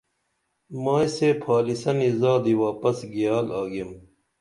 مائی سے پھالِسنی زادی واپس گِیال آگیم